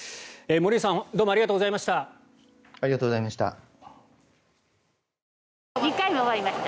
森内さんどうもありがとうございました。